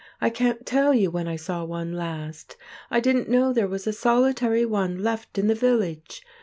I can't tell you when I saw one last. I didn't know there was a solitary one left in the village!